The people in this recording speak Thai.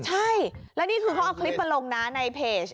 ใช่เพราะเนี่ยนี่คือพอเอาคลิปมาลงเนาะในเพจ